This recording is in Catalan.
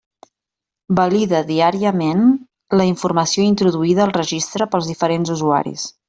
Valida diàriament la informació introduïda al Registre pels diferents usuaris.